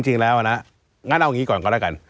ก็จริงแล้วนะงั้นเอางี้ก่อนกัน